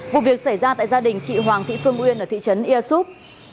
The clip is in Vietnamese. vụ việc xảy ra tại gia đình chị hoàng thị phương uyên ở thị trấn ia súp